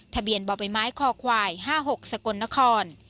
ทะเบียนบ่อใบไม้คอควาย๕๖สกลนคร